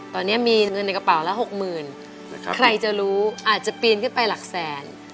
ตอนนี้มีเงินในกระเป๋าละหกหมื่นใครจะรู้อาจจะปีนขึ้นไปหลักแสน